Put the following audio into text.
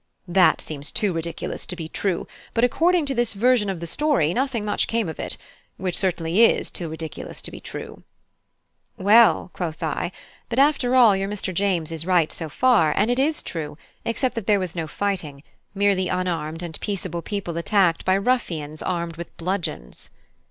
That seems too ridiculous to be true; but according to this version of the story, nothing much came of it, which certainly is too ridiculous to be true." "Well," quoth I, "but after all your Mr. James is right so far, and it is true; except that there was no fighting, merely unarmed and peaceable people attacked by ruffians armed with bludgeons."